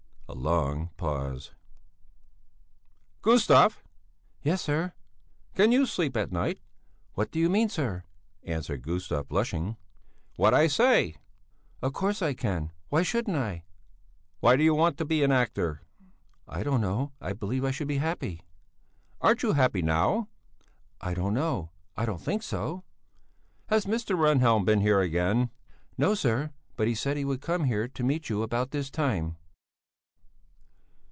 A long pause. "Gustav!" "Yes sir!" "Can you sleep at night?" "What do you mean, sir?" answered Gustav blushing. "What I say!" "Of course I can! Why shouldn't I?" "Why do you want to be an actor?" "I don't know! I believe I should be happy!" "Aren't you happy now?" "I don't know! I don't think so!" "Has Mr. Rehnhjelm been here again?" "No, sir, but he said he would come here to meet you about this time."